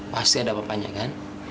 pasti ada apa apanya kan